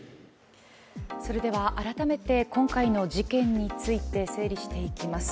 改めて今回の事件について整理していきます。